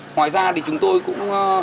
ngoài ra thì chúng tôi cũng